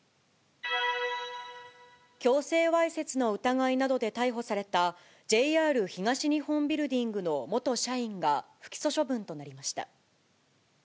強制わいせつの疑いなどで逮捕された、ＪＲ東日本ビルディングの元社員が不起訴処分となりました。